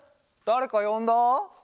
だれかよんだ？